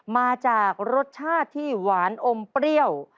มาจากรสชาติที่หวานอมเปรี้ยว